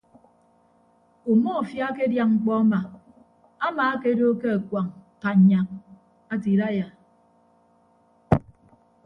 Umọfia akedia mkpọ ama amaakedo ke akuañ kannyak ate idaiya.